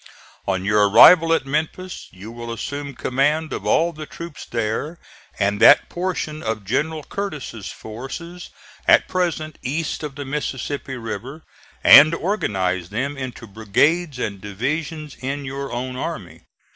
On your arrival at Memphis you will assume command of all the troops there, and that portion of General Curtis's forces at present east of the Mississippi River, and organize them into brigades and divisions in your own army.